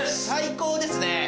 最高ですね。